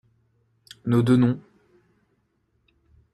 Nos deux noms.